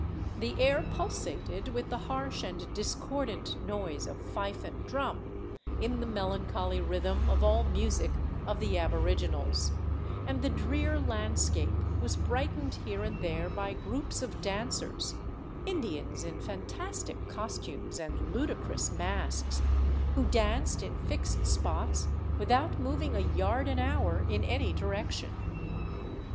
The air pulsated with the harsh and discordant noise of fife and drum, in the melancholy rhythm of all music of the aboriginals, and the drear landscape was brightened here and there by groups of dancers, Indians in fantastic costumes and ludicrous masks, who danced in fixed spots without moving a yard an hour in any direction.